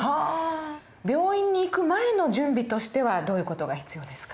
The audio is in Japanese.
病院に行く前の準備としてはどういう事が必要ですか？